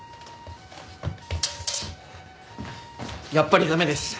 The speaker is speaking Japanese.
やっぱり駄目です。